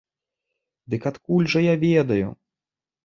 Дык адкуль жа я ведаю?